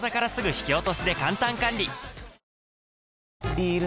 ビール